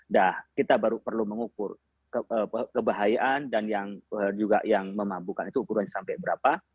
dah kita baru perlu mengukur kebahayaan dan juga yang memabukkan itu ukuran sampai berapa